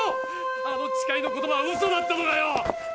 あのちかいの言葉はウソだったのかよ！